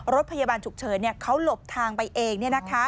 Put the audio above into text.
รถพยาบาลฉุกเฉินเขาหลบทางไปเอง